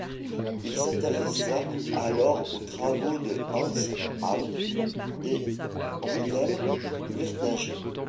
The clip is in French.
Il s'intéressa alors aux travaux de Hans Hahn et Wilhelm Wirtinger.